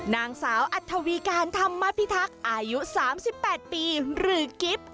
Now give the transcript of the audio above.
นางสาวอัธวีการธรรมพิทักษ์อายุ๓๘ปีหรือกิฟต์